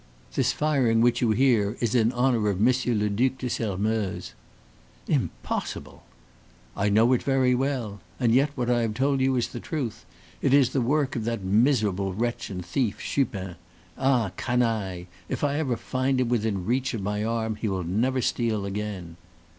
This firing which you hear is in honor of Monsieur le Duc de Sairmeuse." "Impossible!" "I know it very well; and yet, what I have told you is the truth. It is the work of that miserable wretch and thief, Chupin. Ah, canaille! If I ever find him within reach of my arm he will never steal again."